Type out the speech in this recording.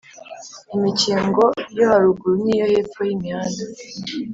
Imikingo yo haruguru n iyo hepfo y imihanda